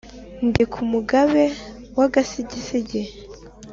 ndi ku mugabe wa gasigisigi,